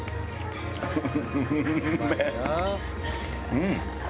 うん！